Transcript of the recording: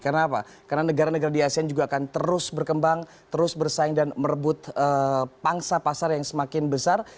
karena apa karena negara negara di asean juga akan terus berkembang terus bersaing dan merebut pangsa pasar yang semakin besar